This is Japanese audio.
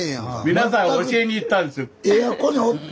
皆さん教えに行ったんです。